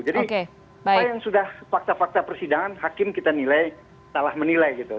jadi apa yang sudah fakta fakta persidangan hakim kita nilai salah menilai gitu